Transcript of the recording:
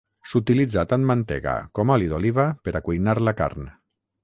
S'utilitza tant mantega com oli d'oliva per a cuinar la carn.